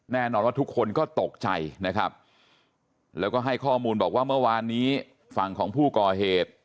แน่นอนว่าทุกคนก็ตกใจนะครับแล้วก็ให้ข้อมูลบอกว่าเมื่อวานนี้ฝั่งของผู้ก่อเหตุ